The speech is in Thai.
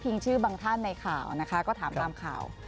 ชื่อบางท่านในข่าวนะคะก็ถามตามข่าว